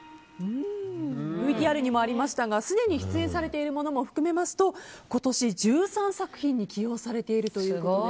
ＶＴＲにもありましたがすでに出演されているものも含めますと今年１３作品に起用されているという。